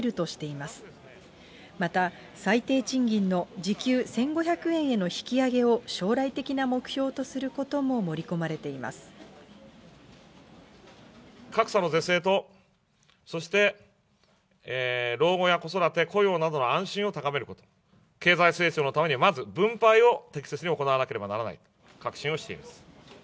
また、最低賃金の時給１５００円への引き上げを将来的な目標とすること格差の是正と、そして老後や子育て、雇用などの安心を高めること、経済成長のために、まず分配を適切に行わなければならないと確信をしております。